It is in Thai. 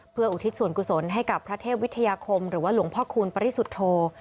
เพื่ออุทิศส่วนกุศลให้กับพระเทพวิทยาคมหรือว่าหลวงพ่อคูณปริสุทธโธ